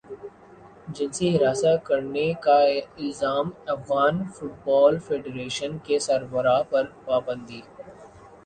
جنسی ہراساں کرنے کا الزام افغان فٹبال فیڈریشن کے سربراہ پر پابندی